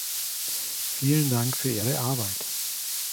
Vielen Dank für Ihre Arbeit.